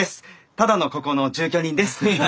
ただのここの住居人です。